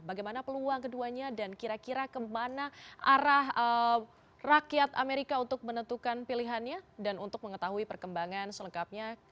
bagaimana peluang keduanya dan kira kira kemana arah rakyat amerika untuk menentukan pilihannya dan untuk mengetahui perkembangan selengkapnya